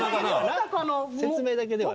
説明だけではね。